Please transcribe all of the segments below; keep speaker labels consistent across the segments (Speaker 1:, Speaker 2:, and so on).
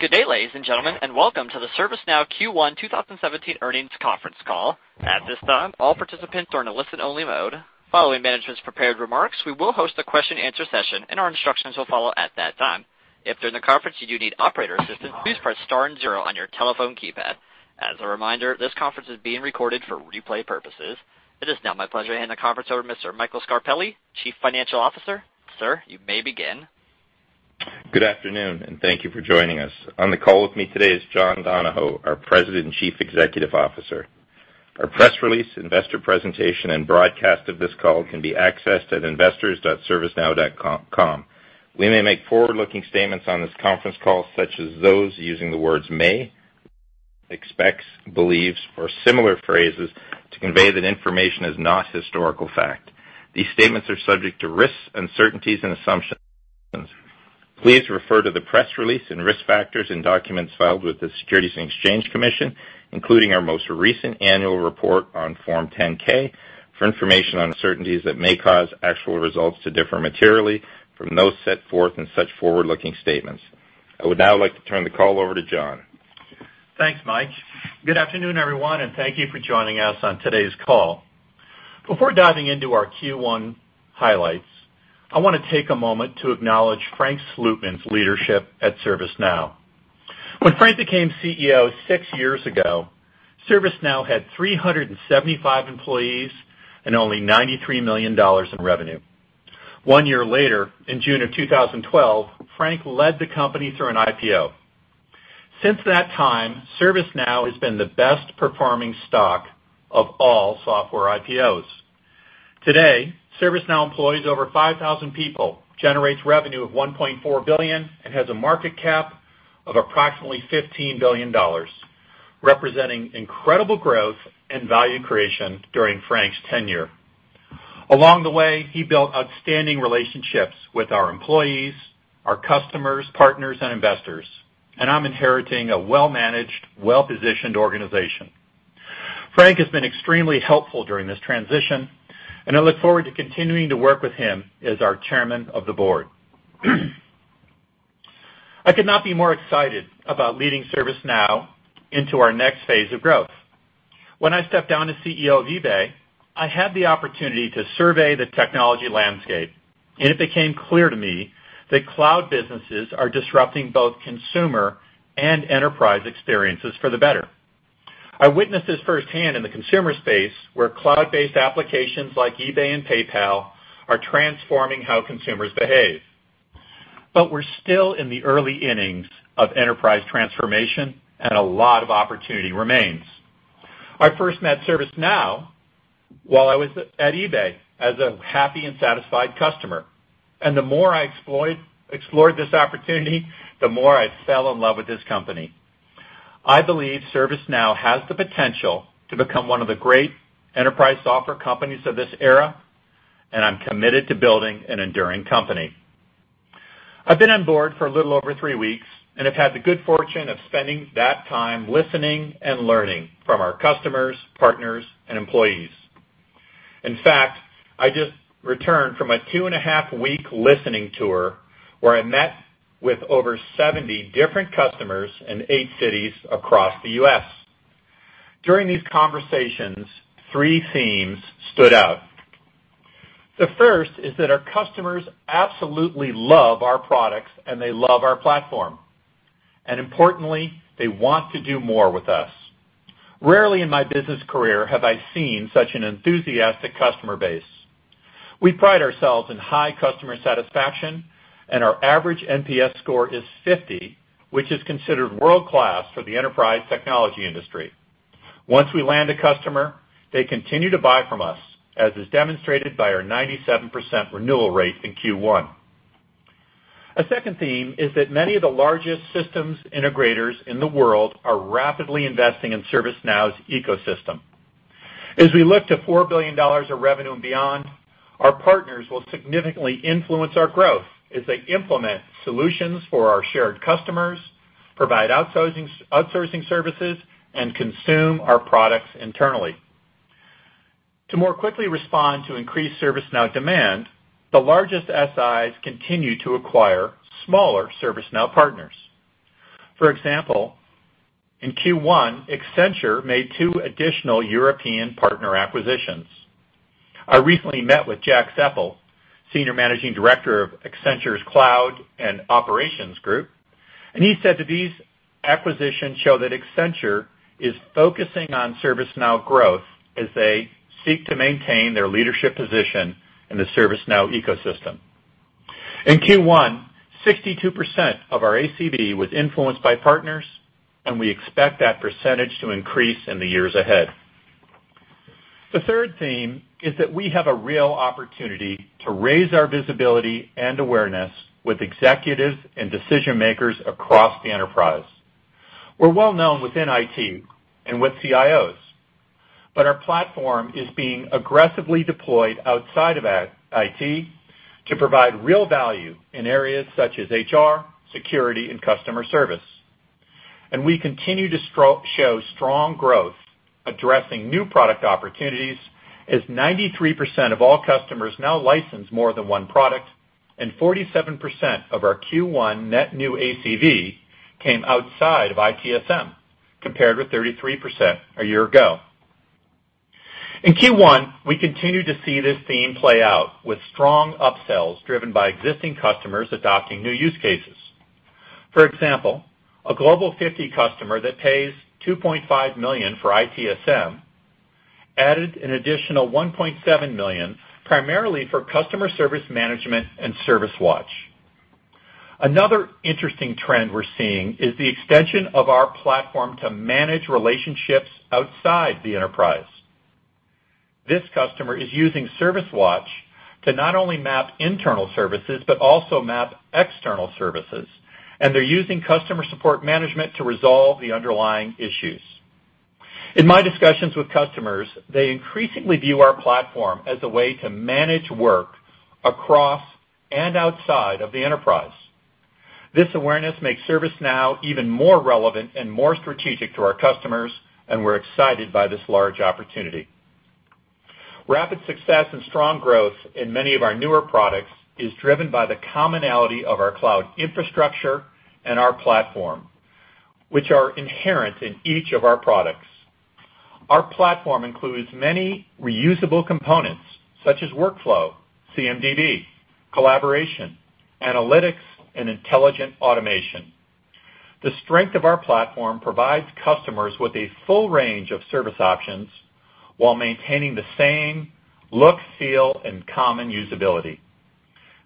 Speaker 1: Good day, ladies and gentlemen, and welcome to the ServiceNow Q1 2017 earnings conference call. At this time, all participants are in a listen-only mode. Following management's prepared remarks, we will host a question-answer session, and our instructions will follow at that time. If during the conference you do need operator assistance, please press star and zero on your telephone keypad. As a reminder, this conference is being recorded for replay purposes. It is now my pleasure to hand the conference over to Mr. Michael Scarpelli, Chief Financial Officer. Sir, you may begin.
Speaker 2: Good afternoon. Thank you for joining us. On the call with me today is John Donahoe, our President and Chief Executive Officer. Our press release, investor presentation, and broadcast of this call can be accessed at investors.servicenow.com. We may make forward-looking statements on this conference call, such as those using the words may, expects, believes, or similar phrases to convey that information is not historical fact. These statements are subject to risks, uncertainties, and assumptions. Please refer to the press release and risk factors in documents filed with the Securities and Exchange Commission, including our most recent annual report on Form 10-K, for information on uncertainties that may cause actual results to differ materially from those set forth in such forward-looking statements. I would now like to turn the call over to John.
Speaker 3: Thanks, Mike. Good afternoon, everyone. Thank you for joining us on today's call. Before diving into our Q1 highlights, I want to take a moment to acknowledge Frank Slootman's leadership at ServiceNow. When Frank became CEO six years ago, ServiceNow had 375 employees and only $93 million in revenue. One year later, in June of 2012, Frank led the company through an IPO. Since that time, ServiceNow has been the best-performing stock of all software IPOs. Today, ServiceNow employs over 5,000 people, generates revenue of $1.4 billion, and has a market cap of approximately $15 billion, representing incredible growth and value creation during Frank's tenure. Along the way, he built outstanding relationships with our employees, our customers, partners, and investors, and I'm inheriting a well-managed, well-positioned organization. Frank has been extremely helpful during this transition. I look forward to continuing to work with him as our Chairman of the Board. I could not be more excited about leading ServiceNow into our next phase of growth. When I stepped down as CEO of eBay, I had the opportunity to survey the technology landscape. It became clear to me that cloud businesses are disrupting both consumer and enterprise experiences for the better. I witnessed this firsthand in the consumer space, where cloud-based applications like eBay and PayPal are transforming how consumers behave. We're still in the early innings of enterprise transformation, and a lot of opportunity remains. I first met ServiceNow while I was at eBay as a happy and satisfied customer. The more I explored this opportunity, the more I fell in love with this company. I believe ServiceNow has the potential to become one of the great enterprise software companies of this era, and I'm committed to building an enduring company. I've been on board for a little over three weeks, and I've had the good fortune of spending that time listening and learning from our customers, partners, and employees. In fact, I just returned from a two-and-a-half week listening tour where I met with over 70 different customers in eight cities across the U.S. During these conversations, three themes stood out. The first is that our customers absolutely love our products and they love our platform, and importantly, they want to do more with us. Rarely in my business career have I seen such an enthusiastic customer base. We pride ourselves in high customer satisfaction, and our average NPS score is 50, which is considered world-class for the enterprise technology industry. Once we land a customer, they continue to buy from us, as is demonstrated by our 97% renewal rate in Q1. A second theme is that many of the largest Global System Integrators in the world are rapidly investing in ServiceNow's ecosystem. As we look to $4 billion of revenue and beyond, our partners will significantly influence our growth as they implement solutions for our shared customers, provide outsourcing services, and consume our products internally. To more quickly respond to increased ServiceNow demand, the largest SIs continue to acquire smaller ServiceNow partners. For example, in Q1, Accenture made two additional European partner acquisitions. I recently met with Jack Sepple, senior managing director of Accenture's Cloud and Operations Group, and he said that these acquisitions show that Accenture is focusing on ServiceNow growth as they seek to maintain their leadership position in the ServiceNow ecosystem. In Q1, 62% of our ACV was influenced by partners, and we expect that percentage to increase in the years ahead. The third theme is that we have a real opportunity to raise our visibility and awareness with executives and decision-makers across the enterprise. We're well known within IT and with CIOs, but our platform is being aggressively deployed outside of IT to provide real value in areas such as HR, security, and customer service. We continue to show strong growth addressing new product opportunities as 93% of all customers now license more than one product, and 47% of our Q1 net new ACV came outside of ITSM, compared with 33% a year ago. In Q1, we continued to see this theme play out with strong upsells driven by existing customers adopting new use cases. For example, a Global 50 customer that pays $2.5 million for ITSM added an additional $1.7 million, primarily for Customer Service Management and ServiceWatch. Another interesting trend we're seeing is the extension of our platform to manage relationships outside the enterprise. This customer is using ServiceWatch to not only map internal services but also map external services, and they're using Customer Service Management to resolve the underlying issues. In my discussions with customers, they increasingly view our platform as a way to manage work across and outside of the enterprise. This awareness makes ServiceNow even more relevant and more strategic to our customers, and we're excited by this large opportunity. Rapid success and strong growth in many of our newer products is driven by the commonality of our cloud infrastructure and our platform, which are inherent in each of our products. Our platform includes many reusable components such as workflow, CMDB, collaboration, analytics, and intelligent automation. The strength of our platform provides customers with a full range of service options while maintaining the same look, feel, and common usability.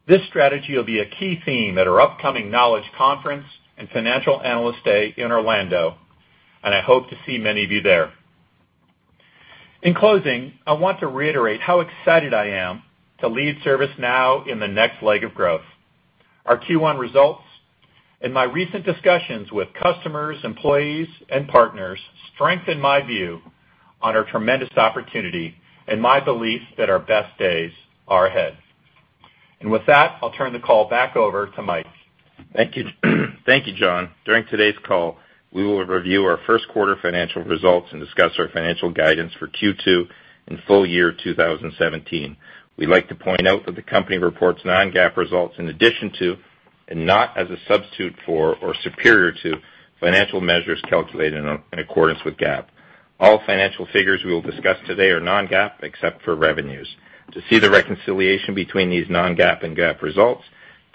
Speaker 3: This strategy will be a key theme at our upcoming Knowledge Conference and Financial Analyst Day in Orlando, and I hope to see many of you there. In closing, I want to reiterate how excited I am to lead ServiceNow in the next leg of growth. Our Q1 results and my recent discussions with customers, employees, and partners strengthen my view on our tremendous opportunity and my belief that our best days are ahead. With that, I'll turn the call back over to Mike.
Speaker 2: Thank you, John. During today's call, we will review our first quarter financial results and discuss our financial guidance for Q2 and full year 2017. We'd like to point out that the company reports non-GAAP results in addition to, and not as a substitute for or superior to, financial measures calculated in accordance with GAAP. All financial figures we will discuss today are non-GAAP except for revenues. To see the reconciliation between these non-GAAP and GAAP results,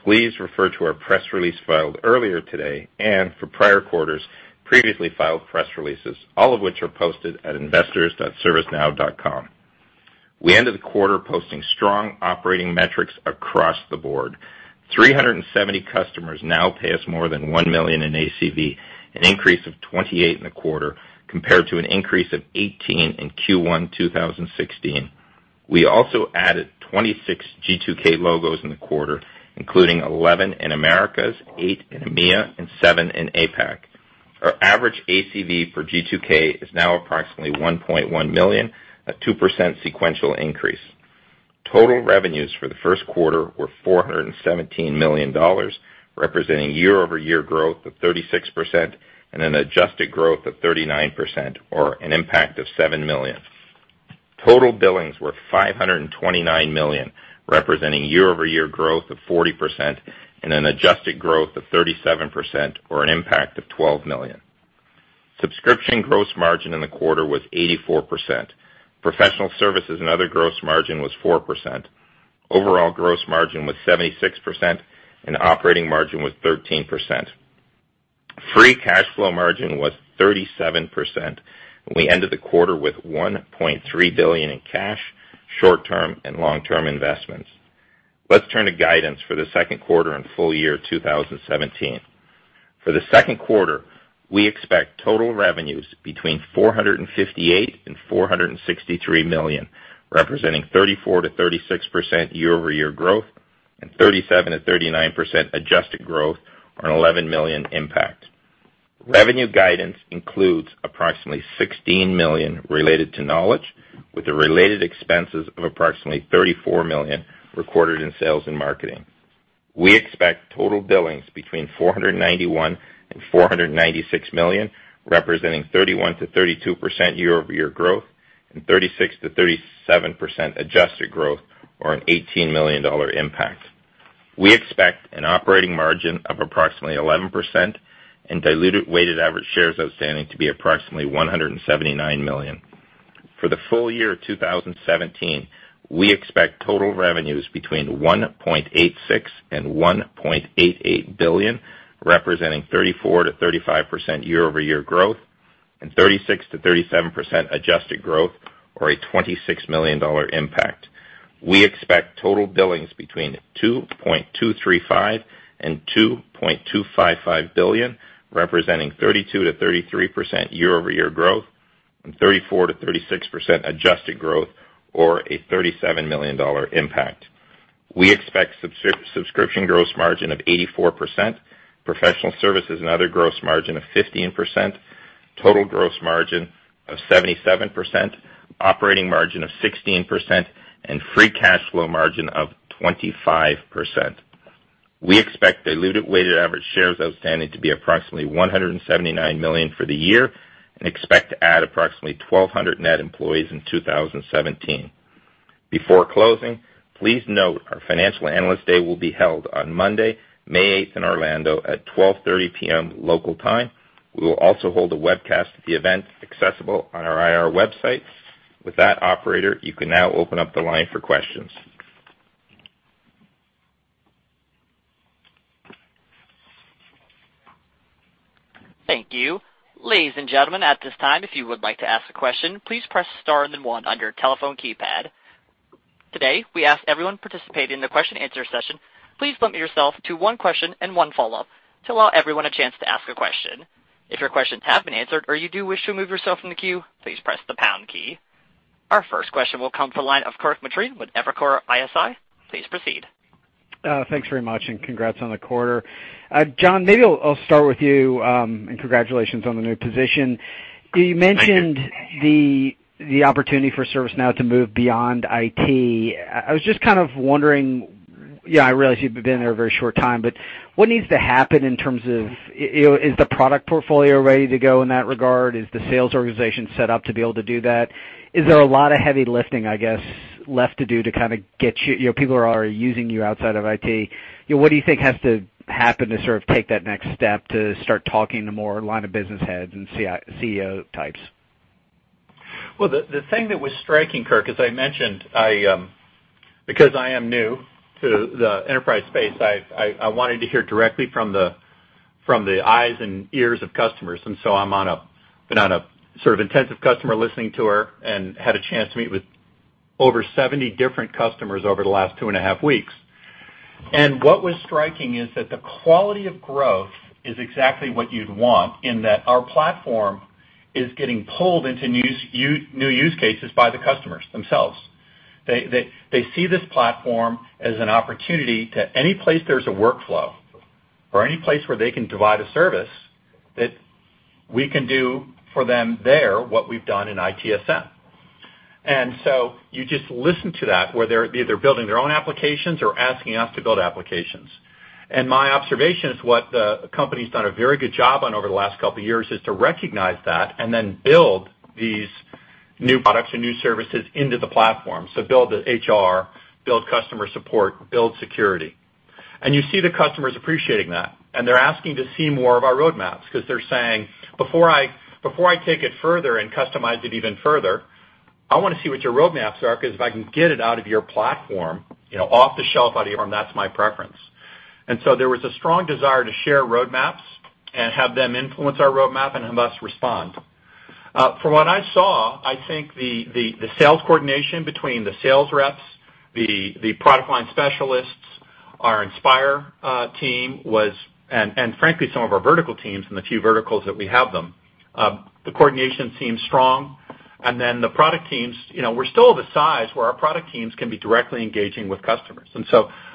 Speaker 2: please refer to our press release filed earlier today, and for prior quarters, previously filed press releases, all of which are posted at investors.servicenow.com. We ended the quarter posting strong operating metrics across the board. 370 customers now pay us more than $1 million in ACV, an increase of 28 in the quarter, compared to an increase of 18 in Q1 2016. We also added 26 G2K logos in the quarter, including 11 in Americas, eight in EMEA, and seven in APAC. Our average ACV for G2K is now approximately $1.1 million, a 2% sequential increase. Total revenues for the first quarter were $417 million, representing year-over-year growth of 36% and an adjusted growth of 39%, or an impact of $7 million. Total billings were $529 million, representing year-over-year growth of 40% and an adjusted growth of 37%, or an impact of $12 million. Subscription gross margin in the quarter was 84%. Professional services and other gross margin was 4%. Overall gross margin was 76%, and operating margin was 13%. Free cash flow margin was 37%, and we ended the quarter with $1.3 billion in cash, short-term, and long-term investments. Let's turn to guidance for the second quarter and full year 2017. For the second quarter, we expect total revenues between $458 million and $463 million, representing 34%-36% year-over-year growth and 37%-39% adjusted growth on an $11 million impact. Revenue guidance includes approximately $16 million related to Knowledge with the related expenses of approximately $34 million recorded in sales and marketing. We expect total billings between $491 million and $496 million, representing 31%-32% year-over-year growth and 36%-37% adjusted growth or an $18 million impact. We expect an operating margin of approximately 11% and diluted weighted average shares outstanding to be approximately 179 million. For the full year 2017, we expect total revenues between $1.86 billion and $1.88 billion, representing 34%-35% year-over-year growth and 36%-37% adjusted growth or a $26 million impact. We expect total billings between $2.235 billion and $2.255 billion, representing 32%-33% year-over-year growth and 34%-36% adjusted growth or a $37 million impact. We expect subscription gross margin of 84%, professional services and other gross margin of 15%. Total gross margin of 77%, operating margin of 16%, and free cash flow margin of 25%. We expect diluted weighted average shares outstanding to be approximately 179 million for the year, and expect to add approximately 1,200 net employees in 2017. Before closing, please note our financial analyst day will be held on Monday, May 8th in Orlando at 12:30 P.M. local time. We will also hold a webcast of the event accessible on our IR website. With that operator, you can now open up the line for questions.
Speaker 1: Thank you. Ladies and gentlemen, at this time, if you would like to ask a question, please press star and then one on your telephone keypad. Today, we ask everyone participating in the question-and-answer session, please limit yourself to one question and one follow-up to allow everyone a chance to ask a question. If your questions have been answered or you do wish to remove yourself from the queue, please press the pound key. Our first question will come from the line of Kirk Materne with Evercore ISI. Please proceed.
Speaker 4: Thanks very much. Congrats on the quarter. John, maybe I'll start with you. Congratulations on the new position. You mentioned the opportunity for ServiceNow to move beyond IT. I was just kind of wondering, I realize you've been there a very short time, but what needs to happen in terms of, is the product portfolio ready to go in that regard? Is the sales organization set up to be able to do that? Is there a lot of heavy lifting, I guess, left to do to kind of get people who are already using you outside of IT? What do you think has to happen to sort of take that next step to start talking to more line of business heads and CEO types?
Speaker 3: Well, the thing that was striking, Kirk, as I mentioned, because I am new to the enterprise space, I wanted to hear directly from the eyes and ears of customers. I've been on a sort of intensive customer listening tour and had a chance to meet with over 70 different customers over the last two and a half weeks. What was striking is that the quality of growth is exactly what you'd want in that our platform is getting pulled into new use cases by the customers themselves. They see this platform as an opportunity to any place there's a workflow or any place where they can divide a service, that we can do for them there what we've done in ITSM. You just listen to that, where they're either building their own applications or asking us to build applications. My observation is what the company's done a very good job on over the last couple of years, is to recognize that and then build these new products and new services into the platform. Build the HR, build customer support, build security. You see the customers appreciating that, and they're asking to see more of our roadmaps because they're saying, "Before I take it further and customize it even further, I want to see what your roadmaps are, because if I can get it out of your platform, off the shelf out of your platform, that's my preference." There was a strong desire to share roadmaps and have them influence our roadmap and have us respond. From what I saw, I think the sales coordination between the sales reps, the product line specialists, our Inspire team and frankly, some of our vertical teams in the few verticals that we have them, the coordination seems strong. The product teams, we're still the size where our product teams can be directly engaging with customers.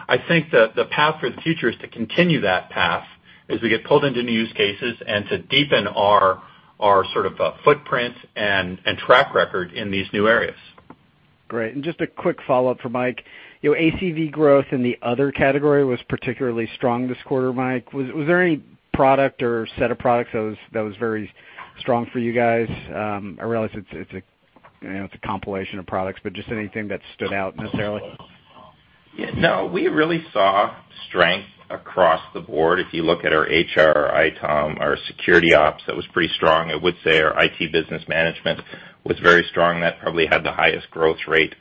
Speaker 3: I think that the path for the future is to continue that path as we get pulled into new use cases and to deepen our sort of footprint and track record in these new areas.
Speaker 4: Great. Just a quick follow-up for Mike. ACV growth in the other category was particularly strong this quarter, Mike. Was there any product or set of products that was very strong for you guys? I realize it's a compilation of products, but just anything that stood out necessarily?
Speaker 2: No, we really saw strength across the board. If you look at our HR, our ITOM, our Security Operations, that was pretty strong. I would say our IT Business Management was very strong. That probably had the highest growth rate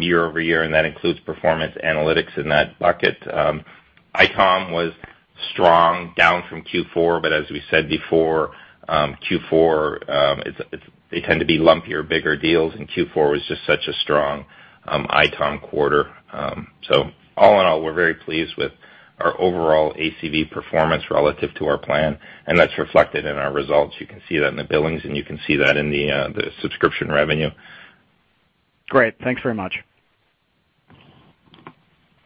Speaker 2: year-over-year, and that includes Performance Analytics in that bucket. ITOM was strong, down from Q4, but as we said before, Q4, they tend to be lumpier, bigger deals, and Q4 was just such a strong ITOM quarter. All in all, we're very pleased with our overall ACV performance relative to our plan, and that's reflected in our results. You can see that in the billings, and you can see that in the subscription revenue.
Speaker 4: Great. Thanks very much.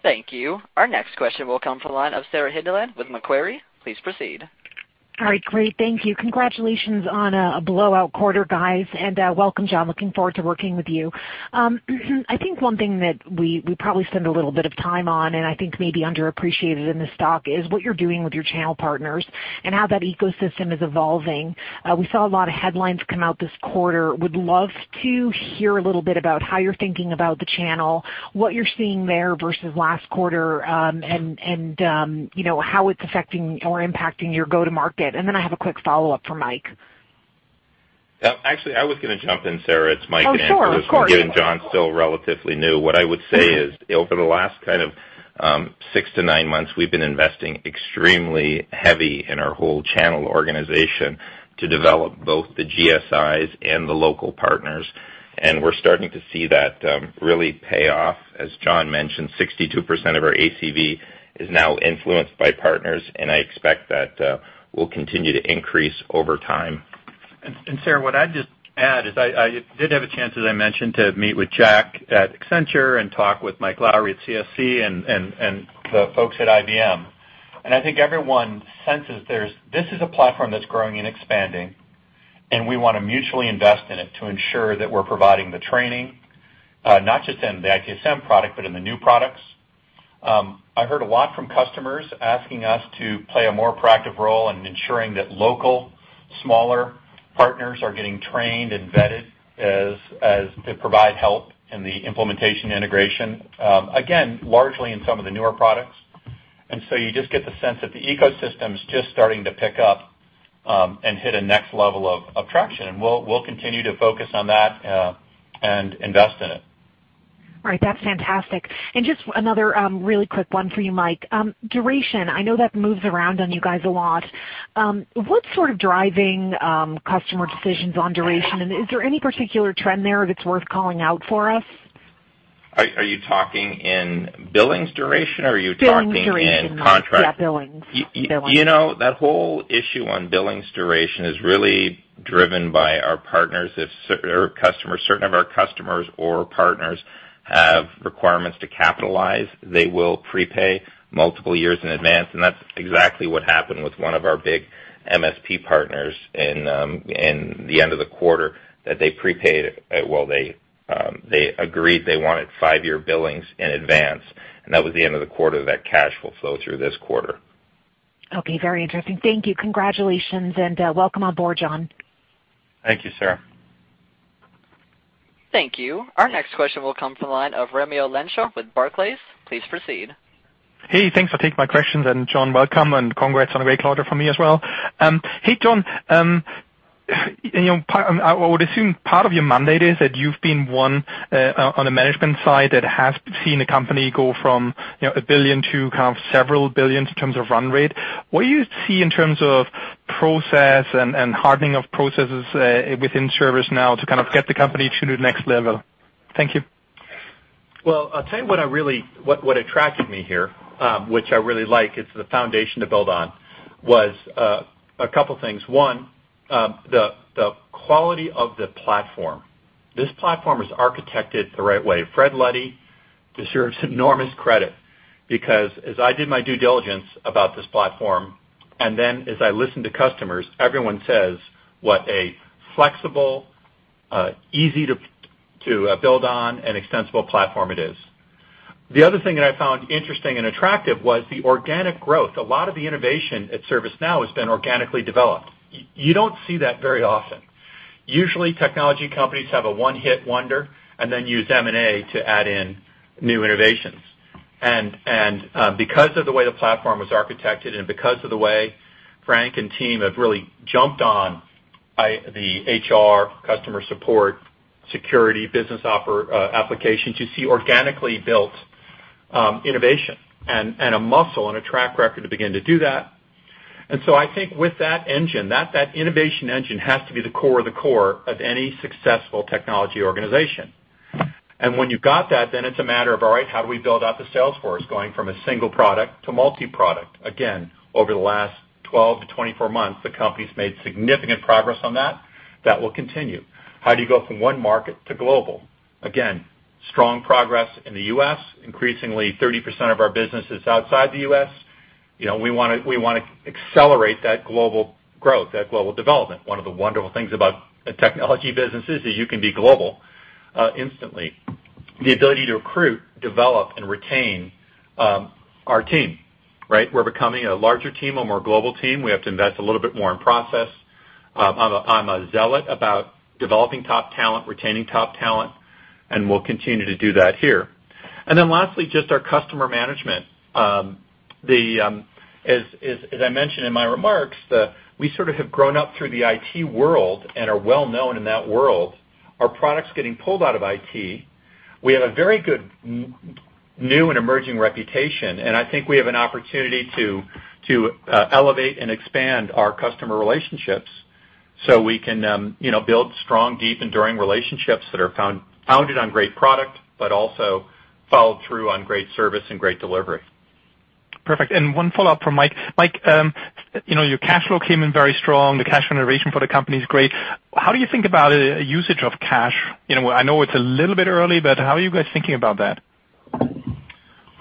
Speaker 1: Thank you. Our next question will come from the line of Sarah Hindlian with Macquarie. Please proceed.
Speaker 5: All right, great. Thank you. Congratulations on a blowout quarter, guys, and welcome, John. Looking forward to working with you. I think one thing that we probably spend a little bit of time on, and I think may be underappreciated in the stock, is what you're doing with your channel partners and how that ecosystem is evolving. We saw a lot of headlines come out this quarter. Would love to hear a little bit about how you're thinking about the channel, what you're seeing there versus last quarter, and how it's affecting or impacting your go to market. Then I have a quick follow-up for Mike.
Speaker 2: Actually, I was going to jump in, Sarah. It's Mike again.
Speaker 5: Oh, sure. Of course
Speaker 2: Given John's still relatively new. What I would say is, over the last kind of six to nine months, we've been investing extremely heavy in our whole channel organization to develop both the GSIs and the local partners, and we're starting to see that really pay off. As John mentioned, 62% of our ACV is now influenced by partners, I expect that will continue to increase over time.
Speaker 3: Sarah, what I'd just add is I did have a chance, as I mentioned, to meet with Jack at Accenture and talk with Mike Lawrie at CSC and the folks at IBM. I think everyone senses this is a platform that's growing and expanding, and we want to mutually invest in it to ensure that we're providing the training, not just in the ITSM product, but in the new products. I heard a lot from customers asking us to play a more proactive role in ensuring that local, smaller partners are getting trained and vetted to provide help in the implementation integration. Again, largely in some of the newer products. You just get the sense that the ecosystem's just starting to pick up and hit a next level of traction. We'll continue to focus on that, and invest in it.
Speaker 5: All right. That's fantastic. Just another really quick one for you, Mike. Duration, I know that moves around on you guys a lot. What's sort of driving customer decisions on duration, and is there any particular trend there that's worth calling out for us?
Speaker 2: Are you talking in billings duration, or are you talking in contract-
Speaker 5: Billings duration. Yes, billings duration.
Speaker 2: That whole issue on billings duration is really driven by our partners. If certain of our customers or partners have requirements to capitalize, they will prepay multiple years in advance. That's exactly what happened with one of our big MSP partners in the end of the quarter that they prepaid. Well, they agreed they wanted five-year billings in advance. That was the end of the quarter. That cash will flow through this quarter.
Speaker 5: Okay. Very interesting. Thank you. Congratulations, and welcome on board, John.
Speaker 2: Thank you, Sarah.
Speaker 1: Thank you. Our next question will come from the line of Raimo Lenschow with Barclays with Barclays. Please proceed.
Speaker 6: Hey, thanks for taking my questions, and John, welcome, and congrats on a great quarter from me as well. Hey, John. I would assume part of your mandate is that you've been one on the management side that has seen a company go from a billion to kind of several billion in terms of run rate. What do you see in terms of process and hardening of processes within ServiceNow to kind of get the company to the next level? Thank you.
Speaker 3: Well, I'll tell you what attracted me here, which I really like, it's the foundation to build on, was a couple things. One, the quality of the platform. This platform is architected the right way. Fred Luddy deserves enormous credit because as I did my due diligence about this platform, and then as I listened to customers, everyone says what a flexible, easy to build on and extensible platform it is. The other thing that I found interesting and attractive was the organic growth. A lot of the innovation at ServiceNow has been organically developed. You don't see that very often. Usually, technology companies have a one-hit wonder and then use M&A to add in new innovations. Because of the way the platform was architected and because of the way Frank and team have really jumped on the HR, customer support, security, business applications, you see organically built innovation and a muscle and a track record to begin to do that. So I think with that engine, that innovation engine has to be the core of the core of any successful technology organization. When you've got that, then it's a matter of, all right, how do we build out the sales force, going from a single product to multi-product? Again, over the last 12 to 24 months, the company's made significant progress on that. That will continue. How do you go from one market to global? Again, strong progress in the U.S. Increasingly, 30% of our business is outside the U.S. We want to accelerate that global growth, that global development. One of the wonderful things about a technology business is that you can be global instantly. The ability to recruit, develop, and retain our team, right? We're becoming a larger team, a more global team. We have to invest a little bit more in process. I'm a zealot about developing top talent, retaining top talent, and we'll continue to do that here. Then lastly, just our customer management. As I mentioned in my remarks, we sort of have grown up through the IT world and are well-known in that world. Our product's getting pulled out of IT. We have a very good new and emerging reputation, and I think we have an opportunity to elevate and expand our customer relationships so we can build strong, deep, enduring relationships that are founded on great product, but also followed through on great service and great delivery.
Speaker 6: Perfect. One follow-up from Mike. Mike, your cash flow came in very strong. The cash generation for the company is great. How do you think about usage of cash? I know it's a little bit early, but how are you guys thinking about that?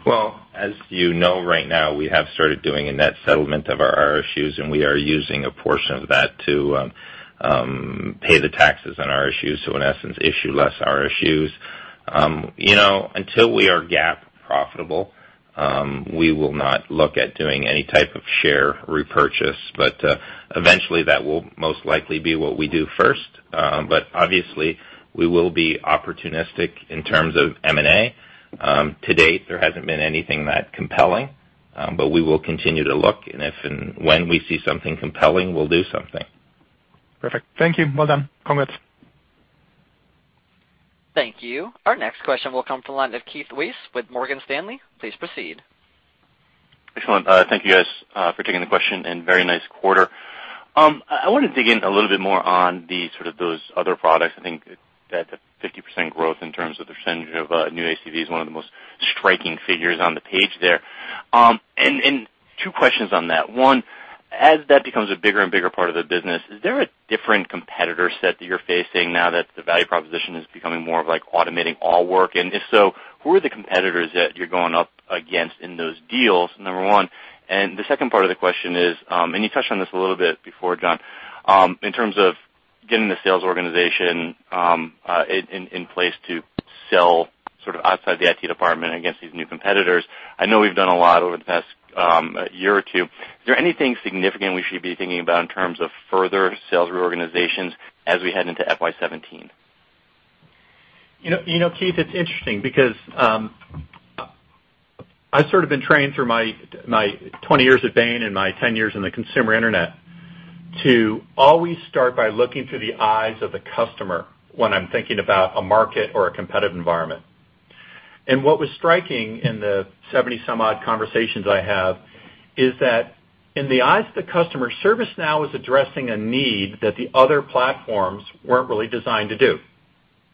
Speaker 2: Well, as you know, right now, we have started doing a net settlement of our issues, and we are using a portion of that to pay the taxes on our issues. In essence, issue less our issues. Until we are GAAP profitable, we will not look at doing any type of share repurchase. Eventually, that will most likely be what we do first. Obviously, we will be opportunistic in terms of M&A. To date, there hasn't been anything that compelling. We will continue to look, and if and when we see something compelling, we'll do something.
Speaker 6: Perfect. Thank you. Well done. Congrats.
Speaker 1: Thank you. Our next question will come from the line of Keith Weiss with Morgan Stanley. Please proceed.
Speaker 7: Excellent. Thank you guys for taking the question, and very nice quarter. I want to dig in a little bit more on the sort of those other products. I think that the 50% growth in terms of the percentage of new ACV is one of the most striking figures on the page there. Two questions on that. One. As that becomes a bigger and bigger part of the business, is there a different competitor set that you're facing now that the value proposition is becoming more of automating all work? If so, who are the competitors that you're going up against in those deals, number one? The second part of the question is, you touched on this a little bit before, John, in terms of getting the sales organization in place to sell outside the IT department against these new competitors. I know we've done a lot over the past year or two. Is there anything significant we should be thinking about in terms of further sales reorganizations as we head into FY 2017?
Speaker 3: Keith, it's interesting because I've sort of been trained through my 20 years at Bain and my 10 years in the consumer internet to always start by looking through the eyes of the customer when I'm thinking about a market or a competitive environment. What was striking in the 70 some odd conversations I have, is that in the eyes of the customer, ServiceNow is addressing a need that the other platforms weren't really designed to do.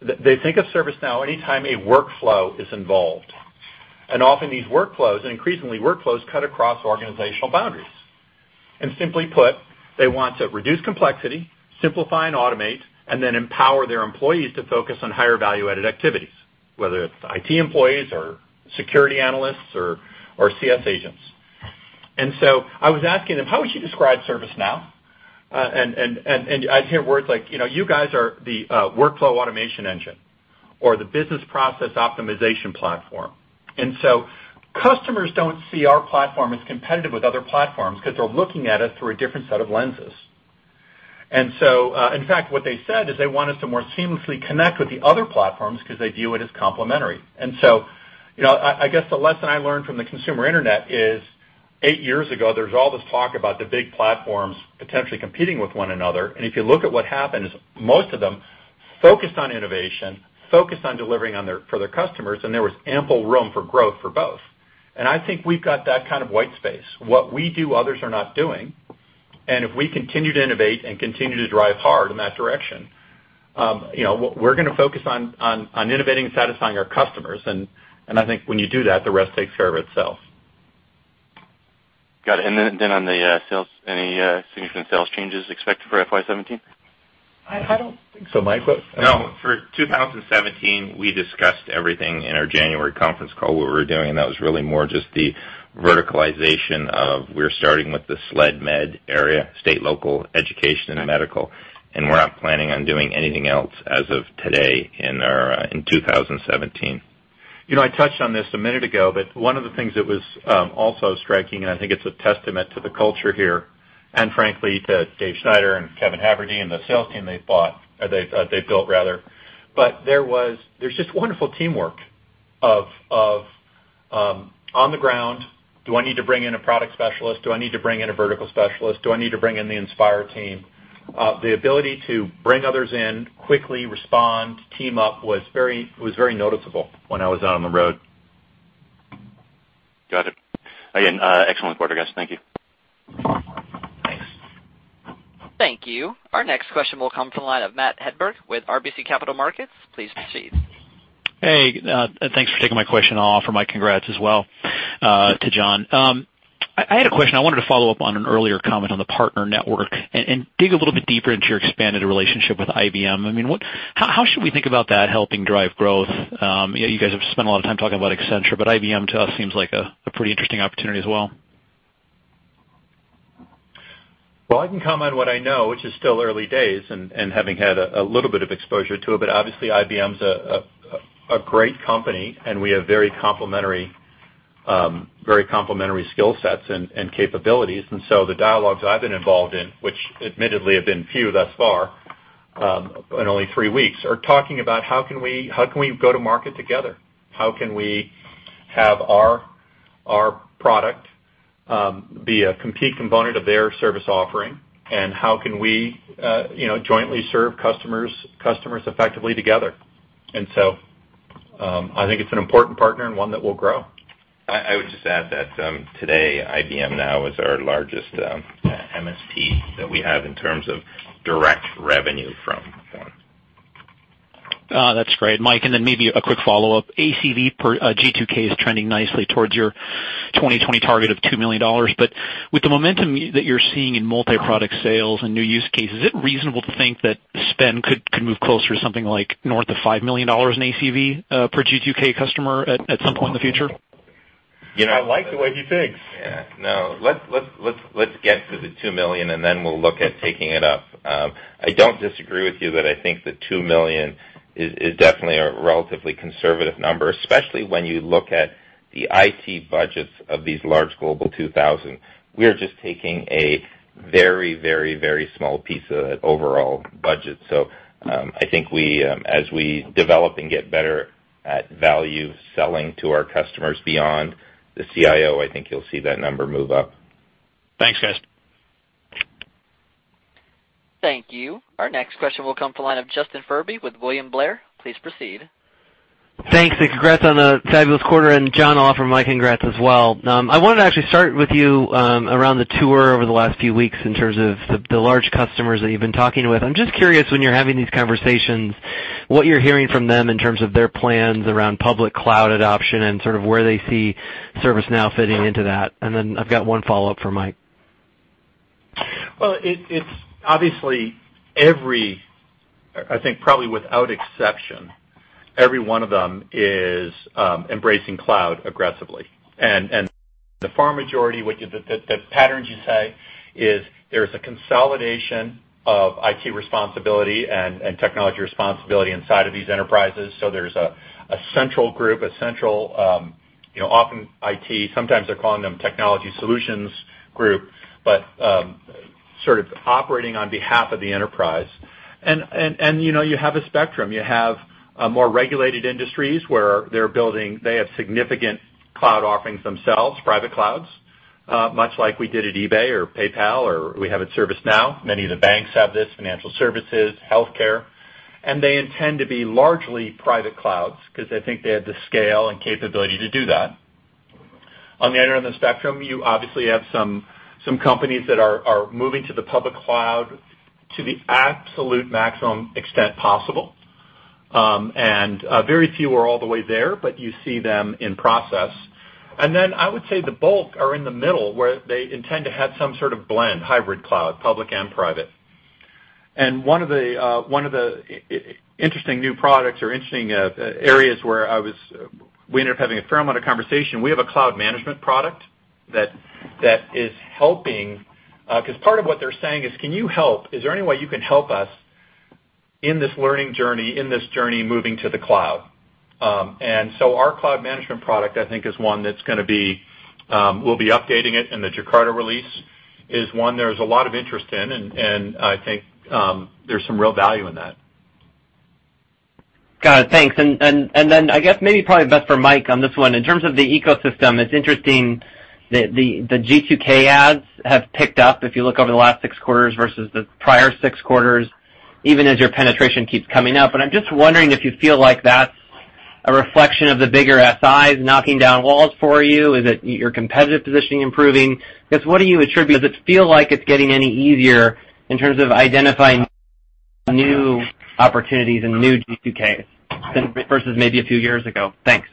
Speaker 3: They think of ServiceNow anytime a workflow is involved. Often these workflows, and increasingly workflows cut across organizational boundaries. Simply put, they want to reduce complexity, simplify and automate, and then empower their employees to focus on higher value-added activities, whether it's IT employees or security analysts or CS agents. I was asking them, "How would you describe ServiceNow?" I'd hear words like, "You guys are the workflow automation engine or the business process optimization platform." Customers don't see our platform as competitive with other platforms because they're looking at it through a different set of lenses. In fact, what they said is they want us to more seamlessly connect with the other platforms because they view it as complementary. I guess the lesson I learned from the consumer internet is eight years ago, there was all this talk about the big platforms potentially competing with one another. If you look at what happened is most of them focused on innovation, focused on delivering for their customers, and there was ample room for growth for both. I think we've got that kind of white space. What we do, others are not doing. If we continue to innovate and continue to drive hard in that direction, we're going to focus on innovating and satisfying our customers. I think when you do that, the rest takes care of itself.
Speaker 7: Got it. On the sales, any significant sales changes expected for FY 2017?
Speaker 3: I don't think so. Mike?
Speaker 2: No, for 2017, we discussed everything in our January conference call, what we were doing, and that was really more just the verticalization of we're starting with the SLED area, state, local, education, and medical. We're not planning on doing anything else as of today in 2017.
Speaker 3: I touched on this a minute ago, but one of the things that was also striking, and I think it's a testament to the culture here, and frankly, to David Schneider and Kevin Haverty and the sales team they've bought, or they've built rather. There's just wonderful teamwork of on the ground, do I need to bring in a product specialist? Do I need to bring in a vertical specialist? Do I need to bring in the Inspire team? The ability to bring others in quickly respond, team up was very noticeable when I was out on the road.
Speaker 7: Got it. Again, excellent quarter, guys. Thank you.
Speaker 3: Thanks.
Speaker 1: Thank you. Our next question will come from the line of Matthew Hedberg with RBC Capital Markets. Please proceed.
Speaker 8: Hey, thanks for taking my question. I'll offer my congrats as well to John. I had a question. I wanted to follow up on an earlier comment on the partner network and dig a little bit deeper into your expanded relationship with IBM. How should we think about that helping drive growth? IBM to us seems like a pretty interesting opportunity as well.
Speaker 3: I can comment what I know, which is still early days and having had a little bit of exposure to it. Obviously IBM's a great company, and we have very complementary skill sets and capabilities. The dialogues I've been involved in, which admittedly have been few thus far, in only three weeks, are talking about how can we go to market together? How can we have our product be a compete component of their service offering, and how can we jointly serve customers effectively together? I think it's an important partner and one that will grow.
Speaker 2: I would just add that today IBM now is our largest MSP that we have in terms of direct revenue from.
Speaker 8: That's great, Mike. Maybe a quick follow-up. ACV per G2K is trending nicely towards your 2020 target of $2 million. With the momentum that you're seeing in multi-product sales and new use cases, is it reasonable to think that spend could move closer to something like north of $5 million in ACV per G2K customer at some point in the future?
Speaker 3: I like the way he thinks.
Speaker 2: Yeah. No, let's get to the $2 million, and then we'll look at taking it up. I don't disagree with you that I think the $2 million is definitely a relatively conservative number, especially when you look at the IT budgets of these large Global 2000. We are just taking a very small piece of that overall budget. I think as we develop and get better at value selling to our customers beyond the CIO, I think you'll see that number move up.
Speaker 8: Thanks, guys.
Speaker 1: Thank you. Our next question will come to the line of Justin Furby with William Blair. Please proceed.
Speaker 9: Thanks, congrats on a fabulous quarter, and John, I'll offer my congrats as well. I wanted to actually start with you around the tour over the last few weeks in terms of the large customers that you've been talking with. I'm just curious, when you're having these conversations What you're hearing from them in terms of their plans around public cloud adoption and sort of where they see ServiceNow fitting into that. Then I've got one follow-up for Mike.
Speaker 3: Well, it's obviously every, I think probably without exception, every one of them is embracing cloud aggressively. The far majority, the patterns you say is there's a consolidation of IT responsibility and technology responsibility inside of these enterprises. There's a central group, a central, often IT, sometimes they're calling them technology solutions group, but sort of operating on behalf of the enterprise. You have a spectrum. You have more regulated industries where they're building, they have significant cloud offerings themselves, private clouds, much like we did at eBay or PayPal, or we have at ServiceNow. Many of the banks have this, financial services, healthcare. They intend to be largely private clouds because they think they have the scale and capability to do that. On the other end of the spectrum, you obviously have some companies that are moving to the public cloud to the absolute maximum extent possible. Very few are all the way there, but you see them in process. I would say the bulk are in the middle, where they intend to have some sort of blend, hybrid cloud, public and private. One of the interesting new products or interesting areas where we ended up having a fair amount of conversation, we have a Cloud Management product that is helping, because part of what they're saying is, "Can you help? Is there any way you can help us in this learning journey, in this journey moving to the cloud?" Our Cloud Management product, I think, is one that's going to be, we'll be updating it in the Jakarta release. Is one there's a lot of interest in, and I think, there's some real value in that.
Speaker 9: Got it, thanks. I guess, maybe probably best for Mike on this one. In terms of the ecosystem, it's interesting that the G2K adds have picked up if you look over the last six quarters versus the prior six quarters, even as your penetration keeps coming up. I'm just wondering if you feel like that's a reflection of the bigger SIs knocking down walls for you. Is it your competitive positioning improving? I guess, what do you attribute? Does it feel like it's getting any easier in terms of identifying new opportunities and new G2Ks versus maybe a few years ago? Thanks.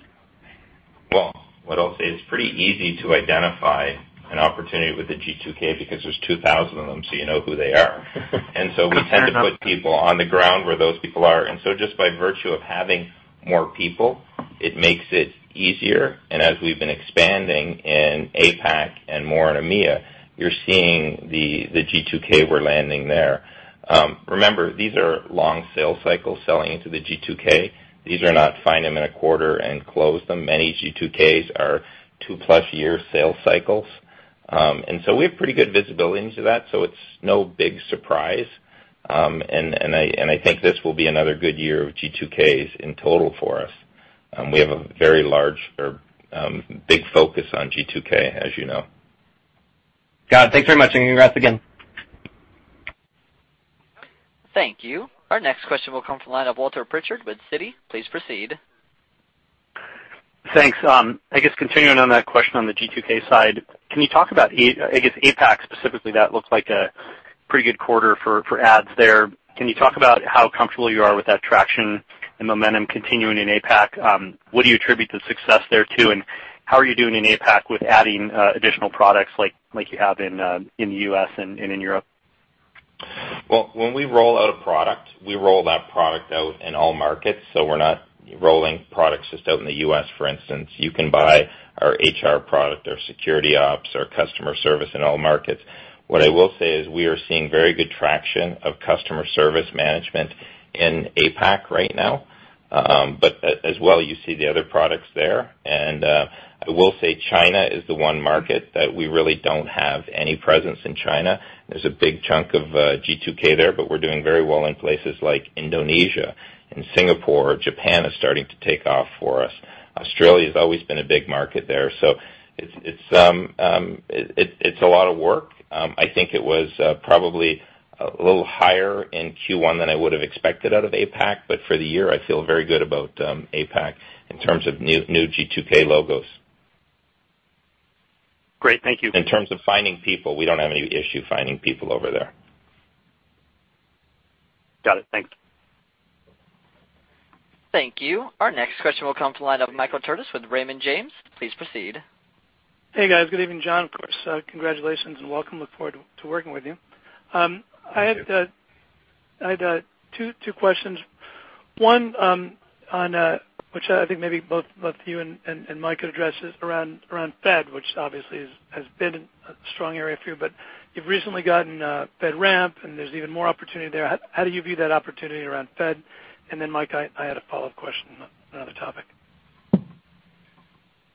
Speaker 2: What I'll say, it's pretty easy to identify an opportunity with the G2K because there's 2,000 of them, so you know who they are. We tend to put people on the ground where those people are. Just by virtue of having more people, it makes it easier, and as we've been expanding in APAC and more in EMEA, you're seeing the G2K we're landing there. Remember, these are long sales cycles selling into the G2K. These are not find them in a quarter and close them. Many G2Ks are 2-plus-year sales cycles. We have pretty good visibility into that, so it's no big surprise. I think this will be another good year of G2Ks in total for us. We have a very large or big focus on G2K, as you know.
Speaker 9: Got it. Thanks very much, congrats again.
Speaker 1: Thank you. Our next question will come from the line of Walter Pritchard with Citi. Please proceed.
Speaker 10: Thanks. Continuing on that question on the G2K side, can you talk about, APAC specifically? That looked like a pretty good quarter for adds there. Can you talk about how comfortable you are with that traction and momentum continuing in APAC? What do you attribute the success there to, and how are you doing in APAC with adding additional products like you have in the U.S. and in Europe?
Speaker 2: When we roll out a product, we roll that product out in all markets. We're not rolling products just out in the U.S., for instance. You can buy our HR product, our Security Operations, our customer service in all markets. What I will say is we are seeing very good traction of Customer Service Management in APAC right now. As well, you see the other products there. I will say China is the one market that we really don't have any presence in China. There's a big chunk of G2K there, but we're doing very well in places like Indonesia and Singapore. Japan is starting to take off for us. Australia's always been a big market there. It's a lot of work. I think it was probably a little higher in Q1 than I would have expected out of APAC, but for the year, I feel very good about APAC in terms of new G2K logos.
Speaker 10: Great. Thank you.
Speaker 2: In terms of finding people, we don't have any issue finding people over there.
Speaker 10: Got it. Thanks.
Speaker 1: Thank you. Our next question will come from the line of Michael Turits with Raymond James. Please proceed.
Speaker 11: Hey, guys. Good evening, John, of course. Congratulations and welcome. Look forward to working with you.
Speaker 2: Thank you.
Speaker 11: I had two questions. One on, which I think maybe both you and Mike could address, is around Fed, which obviously has been a strong area for you, but you've recently gotten FedRAMP, and there's even more opportunity there. How do you view that opportunity around Fed? Mike, I had a follow-up question on another topic.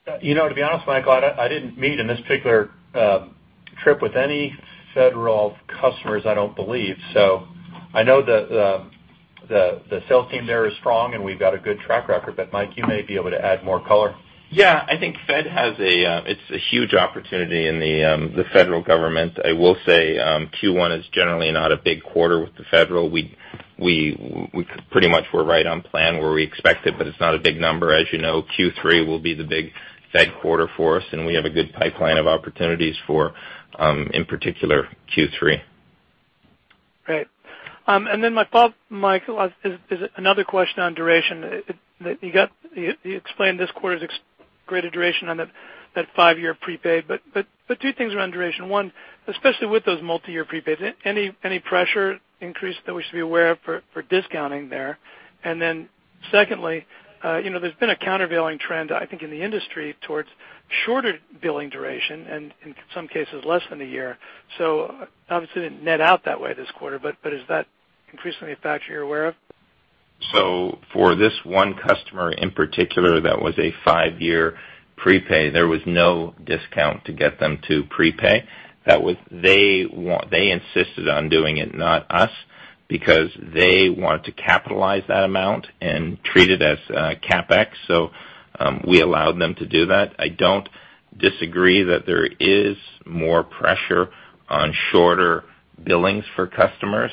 Speaker 3: To be honest, Michael, I didn't meet on this particular trip with any Federal customers, I don't believe. I know the sales team there is strong, and we've got a good track record, but Mike, you may be able to add more color.
Speaker 2: Yeah. I think Fed it's a huge opportunity in the Federal Government. I will say, Q1 is generally not a big quarter with the Federal. We pretty much were right on plan where we expected, but it's not a big number. You know, Q3 will be the big Fed quarter for us, and we have a good pipeline of opportunities for, in particular Q3.
Speaker 11: Great. Mike, another question on duration. You explained this quarter's greater duration on that five-year prepaid. Two things around duration. One, especially with those multi-year prepayments, any pressure increase that we should be aware of for discounting there? Secondly, there's been a countervailing trend, I think, in the industry towards shorter billing duration and in some cases less than a year. Obviously, it didn't net out that way this quarter, but is that increasingly a factor you're aware of?
Speaker 2: For this one customer in particular, that was a five-year prepay. There was no discount to get them to prepay. They insisted on doing it, not us, because they wanted to capitalize that amount and treat it as CapEx. We allowed them to do that. I don't disagree that there is more pressure on shorter billings for customers,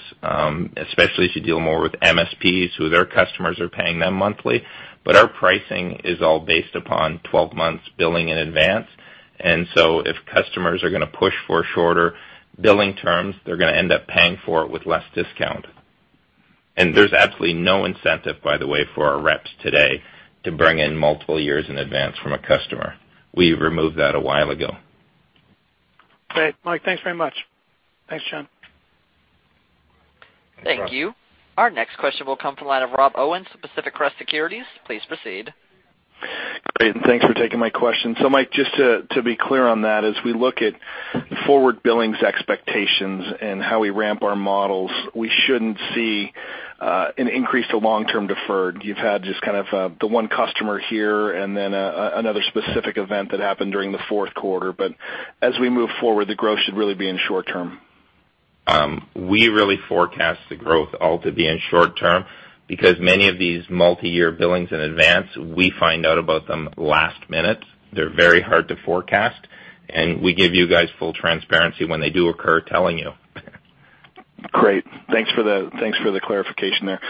Speaker 2: especially as you deal more with MSPs, who their customers are paying them monthly. Our pricing is all based upon 12 months billing in advance. If customers are going to push for shorter billing terms, they're going to end up paying for it with less discount. There's absolutely no incentive, by the way, for our reps today to bring in multiple years in advance from a customer. We removed that a while ago.
Speaker 11: Great, Mike, thanks very much. Thanks, John.
Speaker 1: Thank you. Our next question will come from the line of Rob Owens of Pacific Crest Securities. Please proceed.
Speaker 12: Great, thanks for taking my question. Mike, just to be clear on that, as we look at forward billings expectations and how we ramp our models, we shouldn't see an increase to long-term deferred. You've had just kind of the one customer here and then another specific event that happened during the fourth quarter. As we move forward, the growth should really be in short term.
Speaker 2: We really forecast the growth all to be in short term because many of these multi-year billings in advance, we find out about them last minute. They're very hard to forecast, and we give you guys full transparency when they do occur, telling you.
Speaker 12: Great. Thanks for the clarification there.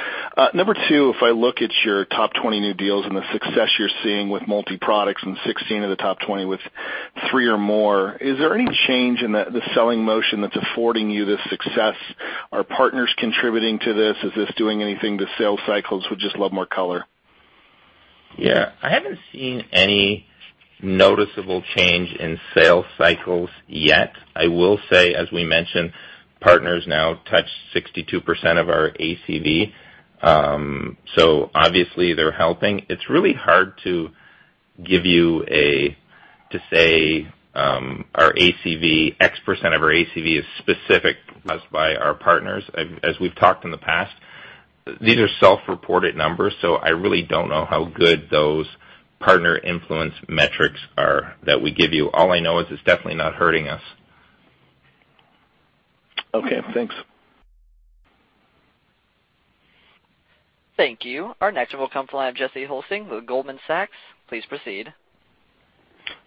Speaker 12: Number two, if I look at your top 20 new deals and the success you're seeing with multi-products and 16 of the top 20 with three or more, is there any change in the selling motion that's affording you this success? Are partners contributing to this? Is this doing anything to sales cycles? Would just love more color.
Speaker 2: Yeah. I haven't seen any noticeable change in sales cycles yet. I will say, as we mentioned, partners now touch 62% of our ACV. Obviously they're helping. It's really hard to say X% of our ACV is specific to us by our partners. As we've talked in the past, these are self-reported numbers, so I really don't know how good those partner influence metrics are that we give you. All I know is it's definitely not hurting us.
Speaker 12: Okay, thanks.
Speaker 1: Thank you. Our next will come from the line of Jesse Hulsing with Goldman Sachs. Please proceed.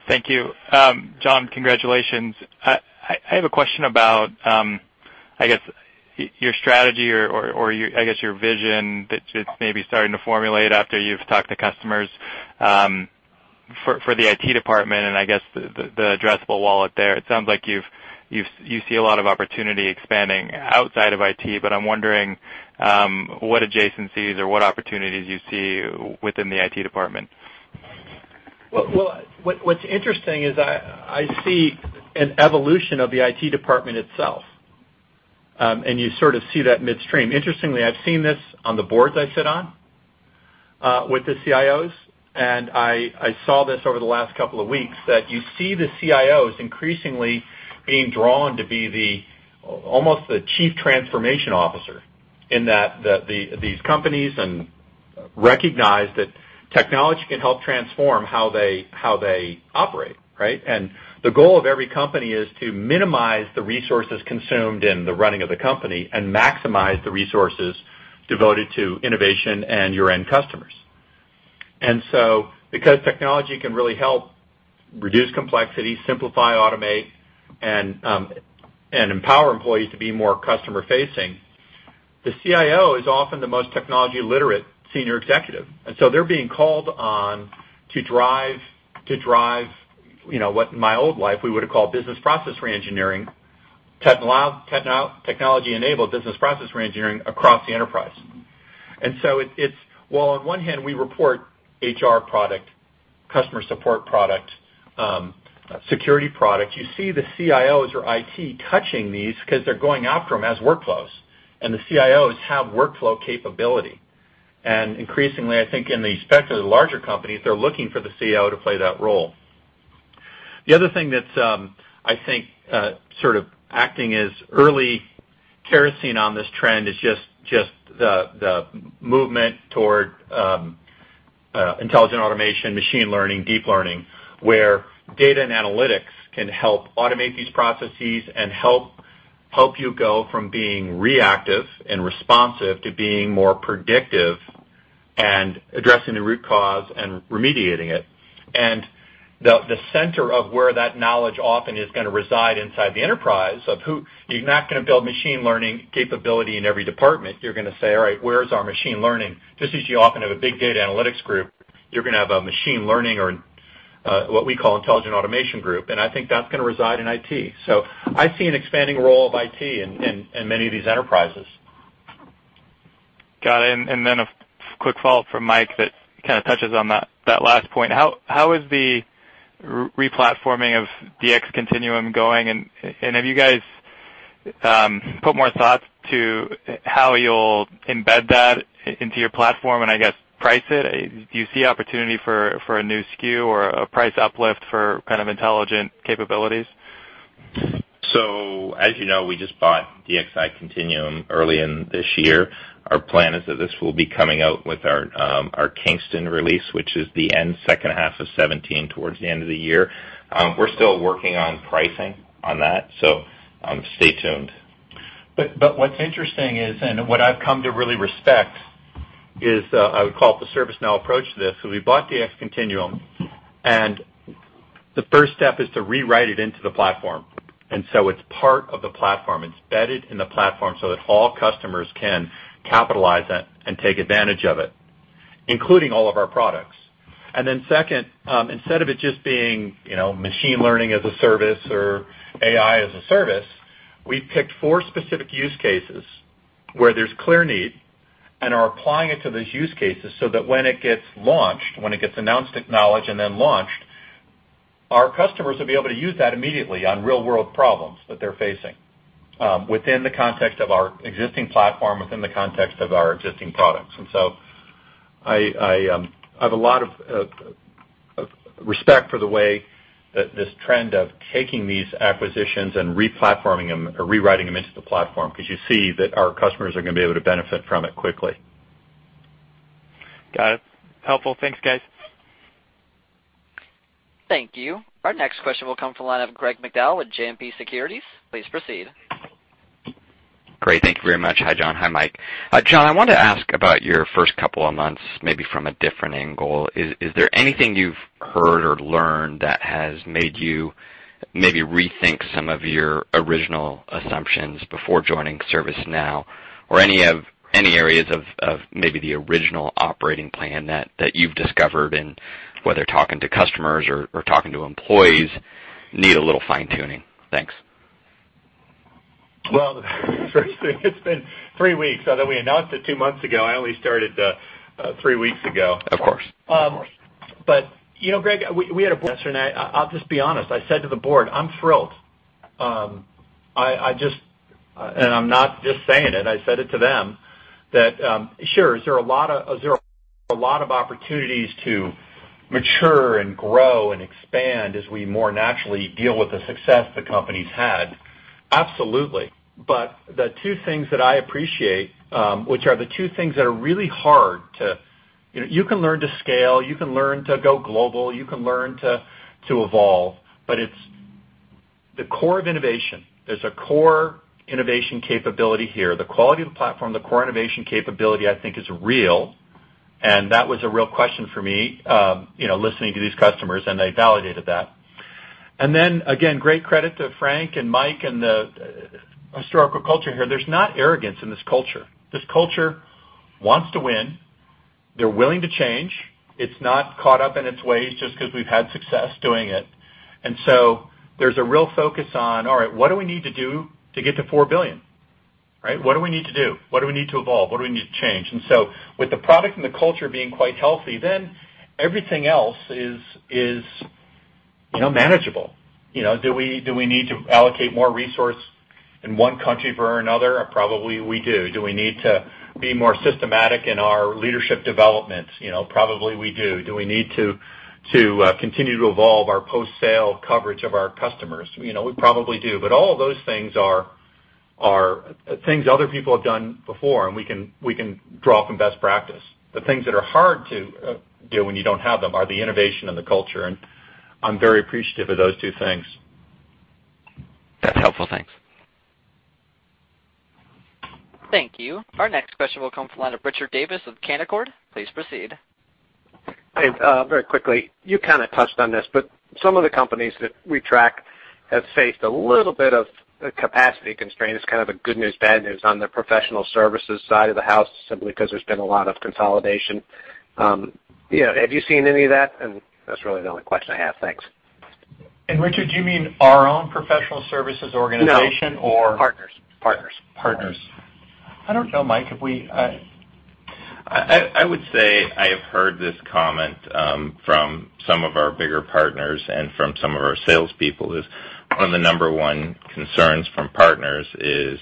Speaker 13: Thank you. John, congratulations. I have a question about, I guess, your strategy or I guess your vision that's just maybe starting to formulate after you've talked to customers, for the IT department and I guess the addressable wallet there. It sounds like you see a lot of opportunity expanding outside of IT. I'm wondering, what adjacencies or what opportunities you see within the IT department.
Speaker 3: Well, what's interesting is I see an evolution of the IT department itself. You sort of see that midstream. Interestingly, I've seen this on the boards I sit on, with the CIOs, and I saw this over the last couple of weeks, that you see the CIOs increasingly being drawn to be almost the chief transformation officer in that these companies recognize that technology can help transform how they operate, right? The goal of every company is to minimize the resources consumed in the running of the company and maximize the resources devoted to innovation and your end customers. Because technology can really help reduce complexity, simplify, automate, and empower employees to be more customer-facing, the CIO is often the most technology-literate senior executive, and so they're being called on to drive what in my old life we would've called business process reengineering, technology-enabled business process reengineering across the enterprise. While on one hand we report HR product, customer support product, security product, you see the CIOs or IT touching these because they're going after them as workflows, and the CIOs have workflow capability. Increasingly, I think in the larger companies, they're looking for the CIO to play that role. The other thing that's, I think, sort of acting as early kerosene on this trend is just the movement toward intelligent automation, machine learning, deep learning, where data and analytics can help automate these processes and help you go from being reactive and responsive to being more predictive and addressing the root cause and remediating it. The center of where that knowledge often is going to reside inside the enterprise of who. You're not going to build machine learning capability in every department. You're going to say, "All right, where's our machine learning?" Just as you often have a big data analytics group, you're going to have a machine learning or what we call intelligent automation group, and I think that's going to reside in IT. I see an expanding role of IT in many of these enterprises.
Speaker 13: Got it. A quick follow-up from Mike that kind of touches on that last point. How is the re-platforming of DxContinuum going? Have you guys put more thought to how you'll embed that into your platform and I guess price it? Do you see opportunity for a new SKU or a price uplift for kind of intelligent capabilities?
Speaker 2: As you know, we just bought DxContinuum early in this year. Our plan is that this will be coming out with our Kingston release, which is the end second half of 2017, towards the end of the year. We're still working on pricing on that. Stay tuned.
Speaker 3: What's interesting is, and what I've come to really respect is, I would call it the ServiceNow approach to this. We bought DxContinuum, and the first step is to rewrite it into the platform. It's part of the platform. It's embedded in the platform so that all customers can capitalize it and take advantage of it, including all of our products. Second, instead of it just being machine learning as a service or AI as a service, we've picked four specific use cases where there's clear need and are applying it to those use cases so that when it gets launched, when it gets announced at Knowledge and then launched, our customers will be able to use that immediately on real-world problems that they're facing within the context of our existing platform, within the context of our existing products. I have a lot of respect for the way that this trend of taking these acquisitions and re-platforming them or rewriting them into the platform because you see that our customers are going to be able to benefit from it quickly.
Speaker 13: Got it. Helpful. Thanks, guys.
Speaker 1: Thank you. Our next question will come from the line of Greg McDowell with JMP Securities. Please proceed.
Speaker 14: Great. Thank you very much. Hi, John. Hi, Mike. John, I wanted to ask about your first couple of months, maybe from a different angle. Is there anything you've heard or learned that has made you maybe rethink some of your original assumptions before joining ServiceNow or any areas of maybe the original operating plan that you've discovered and whether talking to customers or talking to employees need a little fine-tuning? Thanks.
Speaker 3: Well, first thing, it's been three weeks. Although we announced it two months ago, I only started three weeks ago.
Speaker 14: Of course.
Speaker 3: Greg, we had a board yesterday, and I'll just be honest, I said to the board, I'm thrilled. I'm not just saying it, I said it to them that sure, is there a lot of opportunities to mature and grow and expand as we more naturally deal with the success the company's had? Absolutely. The two things that I appreciate, which are the two things that are really hard to You can learn to scale, you can learn to go global, you can learn to evolve, but it's the core of innovation. There's a core innovation capability here. The quality of the platform, the core innovation capability, I think, is real, and that was a real question for me listening to these customers, and they validated that. Then again, great credit to Frank and Mike and the historical culture here. There's not arrogance in this culture. This culture wants to win. They're willing to change. It's not caught up in its ways just because we've had success doing it. There's a real focus on, all right, what do we need to do to get to $4 billion? What do we need to do? What do we need to evolve? What do we need to change? With the product and the culture being quite healthy, then everything else is manageable. Do we need to allocate more resource in one country or another? Probably we do. Do we need to be more systematic in our leadership development? Probably we do. Do we need to continue to evolve our post-sale coverage of our customers? We probably do. All of those things are things other people have done before, and we can draw from best practice. The things that are hard to do when you don't have them are the innovation and the culture. I'm very appreciative of those two things.
Speaker 14: That's helpful. Thanks.
Speaker 1: Thank you. Our next question will come from the line of Richard Davis of Canaccord. Please proceed.
Speaker 15: Hey, very quickly, you kind of touched on this. Some of the companies that we track have faced a little bit of a capacity constraint. It's kind of a good news, bad news on the professional services side of the house, simply because there's been a lot of consolidation. Have you seen any of that? That's really the only question I have. Thanks.
Speaker 3: Richard, do you mean our own professional services organization or?
Speaker 15: No, partners.
Speaker 3: Partners. I don't know, Mike, if we
Speaker 2: I would say I have heard this comment from some of our bigger partners and from some of our salespeople is one of the number 1 concerns from partners is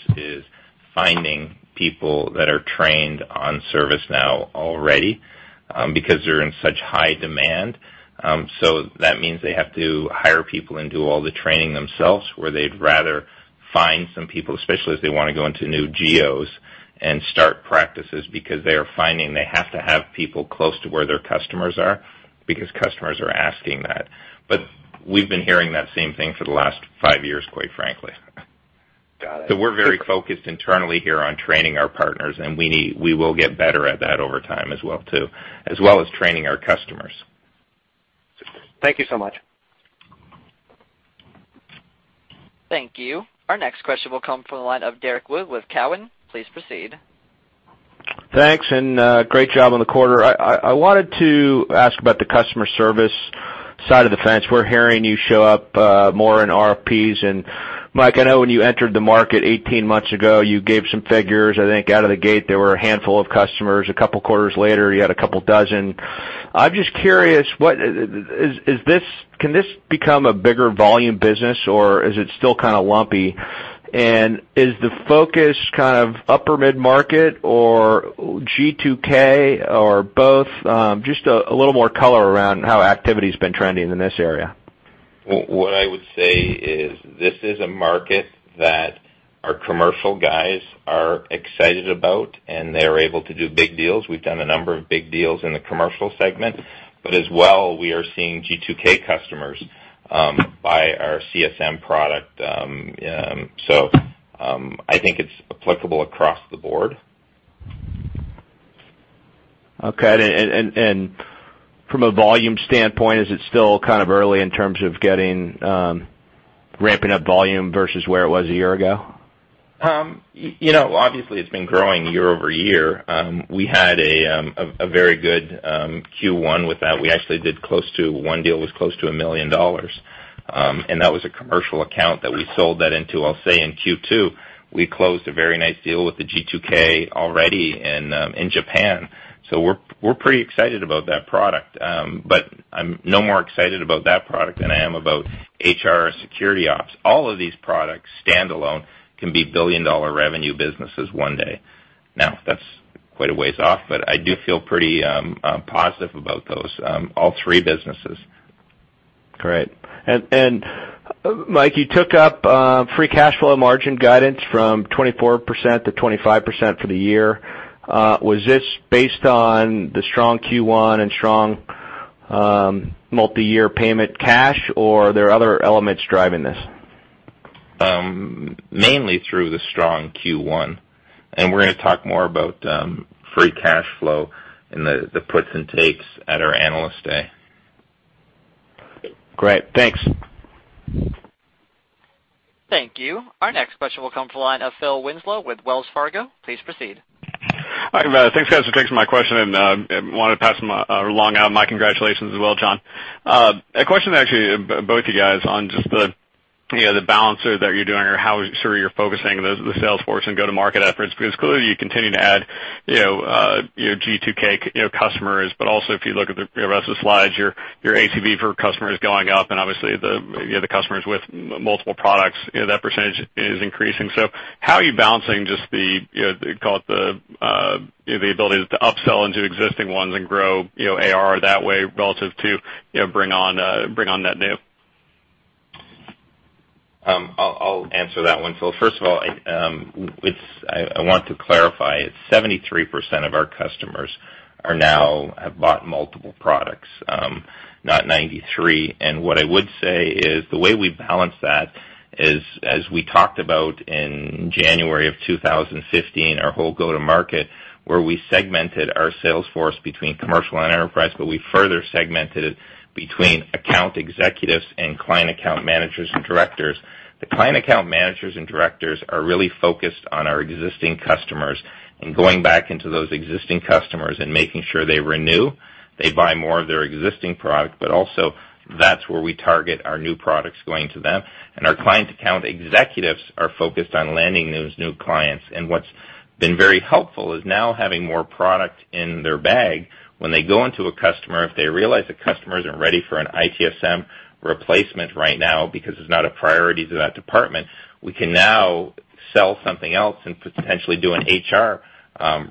Speaker 2: finding people that are trained on ServiceNow already because they're in such high demand. That means they have to hire people and do all the training themselves, where they'd rather find some people, especially as they want to go into new geos and start practices because they are finding they have to have people close to where their customers are because customers are asking that. We've been hearing that same thing for the last five years, quite frankly.
Speaker 15: Got it.
Speaker 2: We're very focused internally here on training our partners, and we will get better at that over time as well too, as well as training our customers.
Speaker 15: Thank you so much.
Speaker 1: Thank you. Our next question will come from the line of Derrick Wood with Cowen. Please proceed.
Speaker 16: Thanks, great job on the quarter. I wanted to ask about the customer service side of the fence. We're hearing you show up more in RFP. Mike, I know when you entered the market 18 months ago, you gave some figures. I think out of the gate, there were a handful of customers. A couple of quarters later, you had a couple dozen. I'm just curious, can this become a bigger volume business, or is it still kind of lumpy? Is the focus kind of upper mid-market or G2K or both? Just a little more color around how activity's been trending in this area.
Speaker 2: What I would say is this is a market that our commercial guys are excited about, they're able to do big deals. We've done a number of big deals in the commercial segment. As well, we are seeing G2K customers buy our CSM product. I think it's applicable across the board.
Speaker 16: Okay. From a volume standpoint, is it still kind of early in terms of ramping up volume versus where it was a year ago?
Speaker 2: Obviously, it's been growing year-over-year. We had a very good Q1 with that. One deal was close to $1 million, that was a commercial account that we sold that into. I'll say in Q2, we closed a very nice deal with the G2K already in Japan. We're pretty excited about that product. I'm no more excited about that product than I am about HR or Security Operations. All of these products, standalone, can be billion-dollar revenue businesses one day. That's quite a ways off, I do feel pretty positive about those, all three businesses.
Speaker 16: Great. Mike, you took up free cash flow margin guidance from 24%-25% for the year. Was this based on the strong Q1 and strong multi-year payment cash, or are there other elements driving this?
Speaker 2: Mainly through the strong Q1. We're going to talk more about free cash flow and the puts and takes at our Analyst Day.
Speaker 16: Great. Thanks.
Speaker 1: Thank you. Our next question will come from the line of Philip Winslow with Wells Fargo. Please proceed.
Speaker 17: Hi, guys. Thanks for taking my question, and I want to pass along my congratulations as well, John. A question, actually, both you guys, on just the balance that you're doing or how sure you're focusing the sales force and go-to-market efforts. Clearly, you continue to add your G2K customers. Also, if you look at the rest of the slides, your ACV per customer is going up, and obviously, the customers with multiple products, that % is increasing. How are you balancing just the ability to upsell into existing ones and grow AR that way relative to bring on net new?
Speaker 2: I'll answer that one, Phil. First of all, I want to clarify, it's 73% of our customers have bought multiple products, not 93%. What I would say is the way we balance that is, as we talked about in January of 2015, our whole go-to-market, where we segmented our sales force between commercial and enterprise, but we further segmented it between account executives and client account managers and directors. The client account managers and directors are really focused on our existing customers and going back into those existing customers and making sure they renew, they buy more of their existing product, but also that's where we target our new products going to them. Our client account executives are focused on landing those new clients. What's been very helpful is now having more product in their bag when they go into a customer, if they realize the customer isn't ready for an ITSM replacement right now because it's not a priority to that department, we can now sell something else and potentially do an HR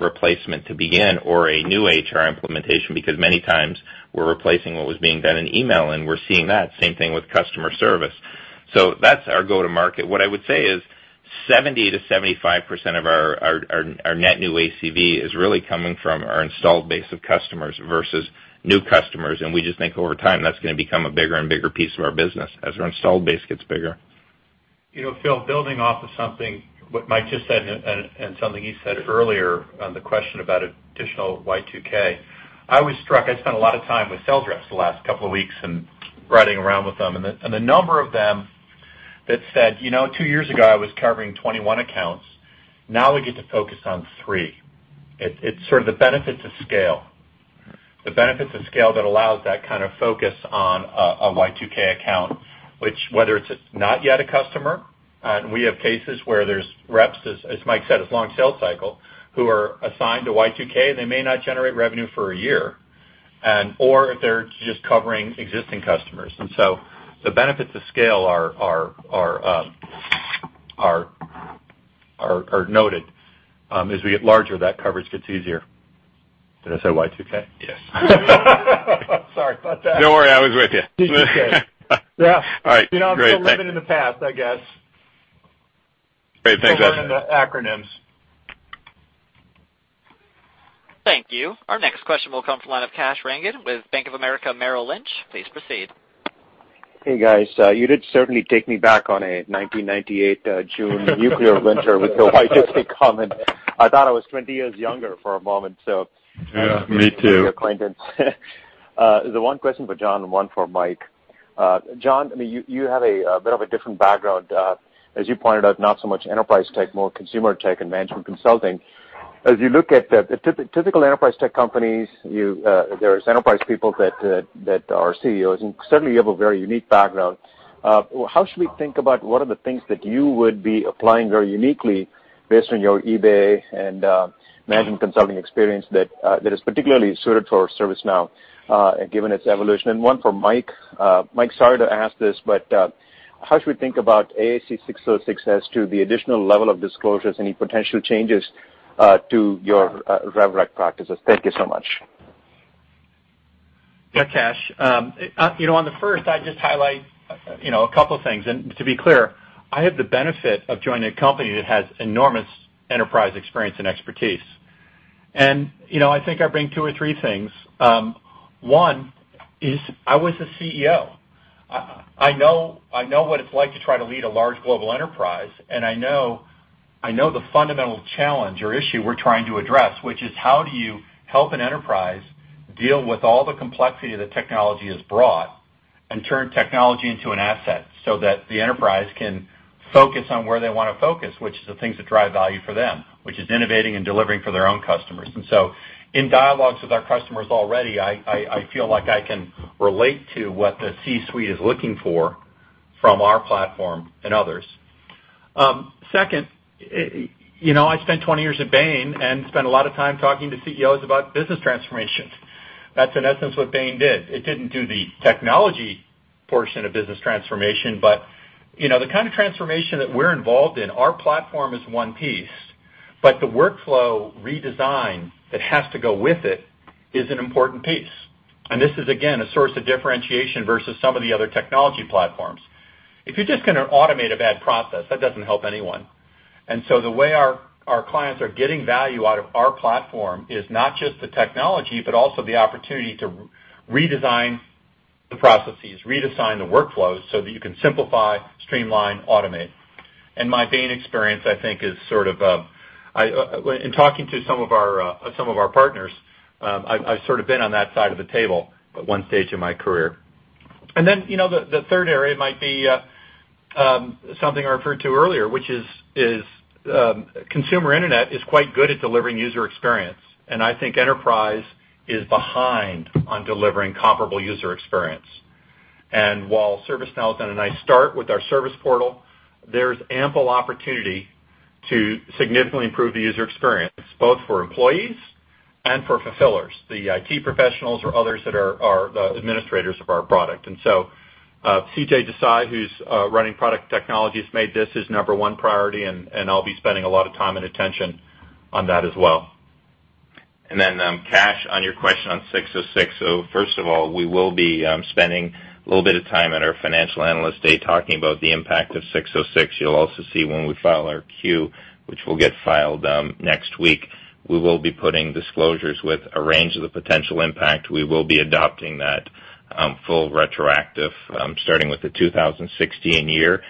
Speaker 2: replacement to begin or a new HR implementation, because many times we're replacing what was being done in email, and we're seeing that. Same thing with Customer Service. That's our go-to-market. What I would say is 70%-75% of our net new ACV is really coming from our installed base of customers versus new customers. We just think over time, that's going to become a bigger and bigger piece of our business as our installed base gets bigger.
Speaker 3: Phil, building off of something, what Mike just said and something you said earlier on the question about additional G2K. I was struck, I spent a lot of time with sales reps the last couple of weeks and riding around with them, and a number of them that said, "Two years ago, I was covering 21 accounts. Now we get to focus on three." It's sort of the benefits of scale. The benefits of scale that allows that kind of focus on a G2K account, which whether it's not yet a customer, and we have cases where there's reps, as Mike said, it's a long sales cycle, who are assigned to G2K, they may not generate revenue for a year, or if they're just covering existing customers. The benefits of scale are noted. As we get larger, that coverage gets easier. Did I say G2K?
Speaker 2: Yes. Sorry about that.
Speaker 17: No worry, I was with you.
Speaker 3: Y2K.
Speaker 17: All right, great. Thank you.
Speaker 3: I'm still living in the past, I guess.
Speaker 17: Great. Thanks, guys.
Speaker 3: Still learning the acronyms.
Speaker 1: Thank you. Our next question will come from the line of Kash Rangan with Bank of America Merrill Lynch. Please proceed.
Speaker 18: Hey, guys. You did certainly take me back on a 1998 June nuclear winter with the Y2K comment. I thought I was 20 years younger for a moment.
Speaker 17: Yeah, me too
Speaker 18: Nice to make your acquaintance. One question for John and one for Michael. John, you have a bit of a different background. As you pointed out, not so much enterprise tech, more consumer tech and management consulting. As you look at the typical enterprise tech companies, there's enterprise people that are CEOs, and certainly you have a very unique background. How should we think about what are the things that you would be applying very uniquely based on your eBay and management consulting experience that is particularly suited for ServiceNow given its evolution? One for Michael. Michael, sorry to ask this, how should we think about ASC 606 as to the additional level of disclosures, any potential changes to your rev rec practices? Thank you so much.
Speaker 3: Yeah, Kash. On the first, I'd just highlight a couple things. To be clear, I have the benefit of joining a company that has enormous enterprise experience and expertise. I think I bring two or three things. One is I was a CEO. I know what it's like to try to lead a large global enterprise, and I know the fundamental challenge or issue we're trying to address, which is how do you help an enterprise deal with all the complexity that technology has brought and turn technology into an asset so that the enterprise can focus on where they want to focus, which is the things that drive value for them, which is innovating and delivering for their own customers. In dialogues with our customers already, I feel like I can relate to what the C-suite is looking for from our platform and others. Second, I spent 20 years at Bain and spent a lot of time talking to CEOs about business transformations. That's in essence what Bain did. It didn't do the technology portion of business transformation, but the kind of transformation that we're involved in, our platform is one piece, but the workflow redesign that has to go with it is an important piece. This is, again, a source of differentiation versus some of the other technology platforms. If you're just going to automate a bad process, that doesn't help anyone. The way our clients are getting value out of our platform is not just the technology, but also the opportunity to redesign the processes, redesign the workflows so that you can simplify, streamline, automate. My Bain experience, I think is In talking to some of our partners, I've sort of been on that side of the table at one stage in my career. The third area might be something I referred to earlier, which is consumer internet is quite good at delivering user experience, and I think enterprise is behind on delivering comparable user experience. While ServiceNow has done a nice start with our Service Portal, there's ample opportunity to significantly improve the user experience, both for employees and for fulfillers, the IT professionals or others that are the administrators of our product. CJ Desai, who's running product technology, has made this his number one priority, and I'll be spending a lot of time and attention on that as well.
Speaker 2: Kash, on your question on 606. First of all, we will be spending a little bit of time at our Financial Analyst Day talking about the impact of 606. You'll also see when we file our 10-Q, which will get filed next week, we will be putting disclosures with a range of the potential impact. We will be adopting that full retroactive, starting with the 2016 year.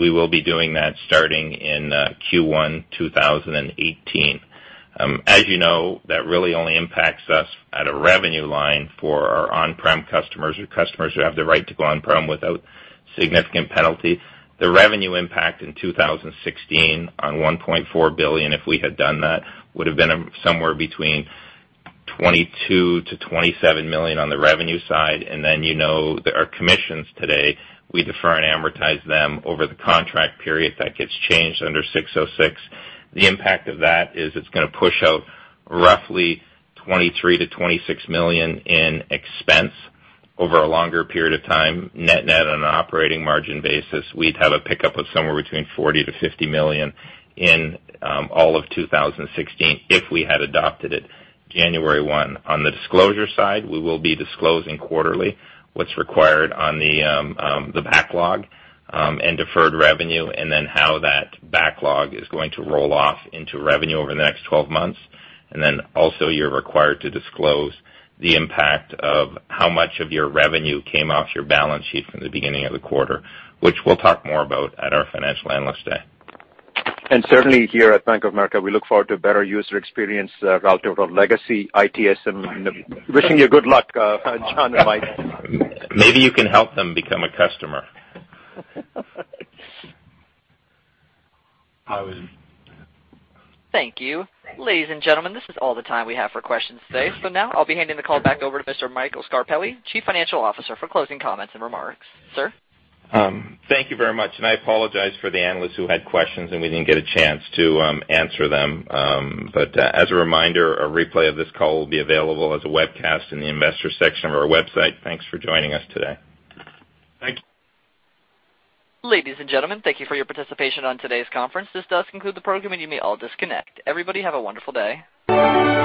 Speaker 2: We will be doing that starting in Q1 2018. As you know, that really only impacts us at a revenue line for our on-prem customers or customers who have the right to go on-prem without significant penalty. The revenue impact in 2016 on $1.4 billion, if we had done that, would have been somewhere between $22 million-$27 million on the revenue side. You know that our commissions today, we defer and amortize them over the contract period. That gets changed under 606. The impact of that is it's going to push out roughly $23 million-$26 million in expense over a longer period of time. Net net on an operating margin basis, we'd have a pickup of somewhere between $40 million-$50 million in all of 2016 if we had adopted it January 1. On the disclosure side, we will be disclosing quarterly what's required on the backlog and deferred revenue, and then how that backlog is going to roll off into revenue over the next 12 months. Also, you're required to disclose the impact of how much of your revenue came off your balance sheet from the beginning of the quarter, which we'll talk more about at our Financial Analyst Day.
Speaker 18: Certainly here at Bank of America, we look forward to a better user experience relative of legacy ITSM. Wishing you good luck, John and Mike.
Speaker 2: Maybe you can help them become a customer.
Speaker 18: I would.
Speaker 1: Thank you. Ladies and gentlemen, this is all the time we have for questions today. Now I'll be handing the call back over to Mr. Michael Scarpelli, Chief Financial Officer, for closing comments and remarks. Sir?
Speaker 2: I apologize for the analysts who had questions, we didn't get a chance to answer them. As a reminder, a replay of this call will be available as a webcast in the Investors section of our website. Thanks for joining us today.
Speaker 3: Thank you.
Speaker 1: Ladies and gentlemen, thank you for your participation on today's conference. This does conclude the program, you may all disconnect. Everybody, have a wonderful day.